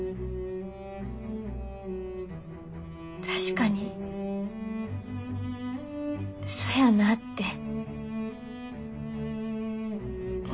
確かにそやなって思いました。